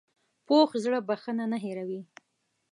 پوخ زړه بښنه نه هېروي